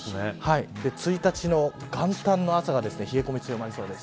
１日の元旦の朝が冷え込み強まりそうです。